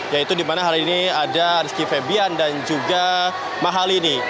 yaitu di mana hari ini ada rizky febian dan juga mahalini